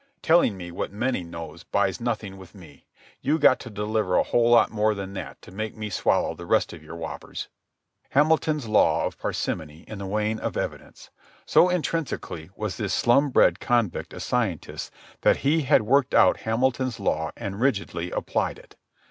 Telling me what many knows buys nothing with me. You got to deliver a whole lot more than that to make me swallow the rest of your whoppers." Hamilton's Law of Parsimony in the weighing of evidence! So intrinsically was this slum bred convict a scientist, that he had worked out Hamilton's law and rigidly applied it.